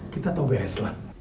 kita tau beres lah